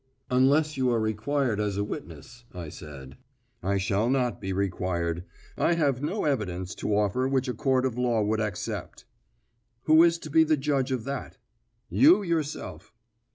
"Unless you are required as a witness," I said. "I shall not be required. I have no evidence to offer which a court of law would accept." "Who is to be the judge of that?" "You yourself."